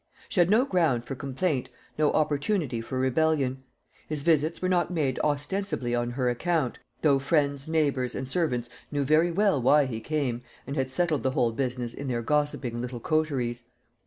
She had no ground for complaint, no opportunity for rebellion. His visits were not made ostensibly on her account, though friends, neighbours, and servants knew very well why he came, and had settled the whole business in their gossiping little coteries.